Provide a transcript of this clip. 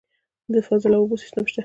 د فاضله اوبو سیستم شته؟